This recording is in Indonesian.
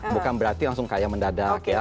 bukan berarti langsung kaya mendadak ya